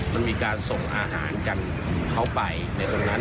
มันมีการส่งอาหารกันเข้าไปในตรงนั้น